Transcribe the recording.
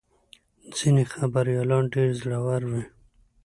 ځینې خبریالان ډېر زړور وي.